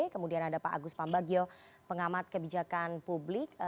kemudian ada pak agus pambagio pengamat kebijakan publik